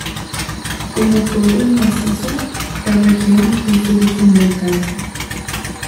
Como todo el macizo, la región es de origen volcánico.